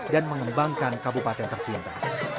dan mengembangkan kabupaten tercinta